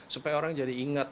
supaya orang jadi ingat